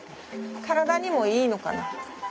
体にもいいのかな？